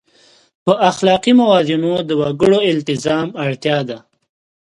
په اخلاقي موازینو د وګړو التزام اړتیا ده.